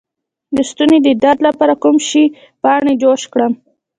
د ستوني د درد لپاره د کوم شي پاڼې جوش کړم؟